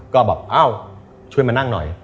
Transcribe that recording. ก็บอกเอ้าช่วยมานั่งหน่อย